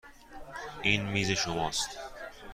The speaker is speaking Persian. این میز شماست.